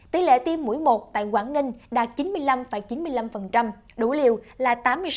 tỷ lệ tiêm mũi một tại quảng ninh đạt chín mươi năm chín mươi năm đủ liều là tám mươi sáu bảy mươi bảy